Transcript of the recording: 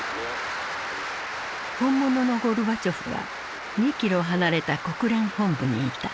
本物のゴルバチョフは２キロ離れた国連本部にいた。